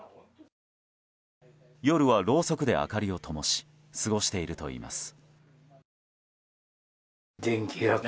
夜は、ろうそくで明かりをともし過ごしているといいます。